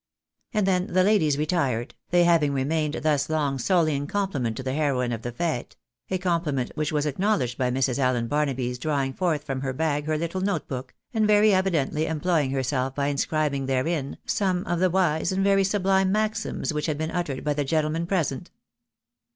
And then the ladies retired, they having remained thus long solely in compliment to the heroine of the fete ; a compliment which was acknowledged by Mrs. Allen Barnaby's drawing forth from her bag her Httle note book, and very evidently employing herseK by inscribing therein some of the wise and very sublime maxims which had been uttered by tha gentlemen present.